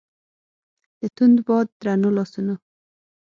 د توند باد درنو لاسونو